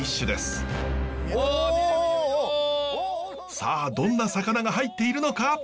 さあどんな魚が入っているのか。